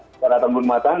secara tembun matahari